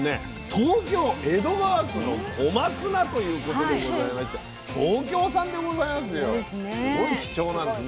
東京・江戸川区の小松菜ということでございまして東京産でございますよ。